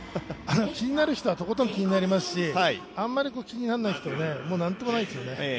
気になる人はとことん気になりますしあまり気にならない人はもう、なんともないんですよね。